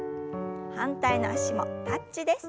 反対の脚もタッチです。